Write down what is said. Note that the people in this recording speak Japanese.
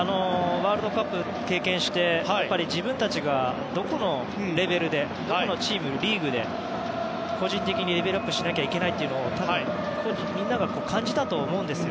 ワールドカップ経験して自分たちがどこのチーム、リーグで個人的にレベルアップしなきゃいけないかを多分、みんなが感じたと思うんですよ。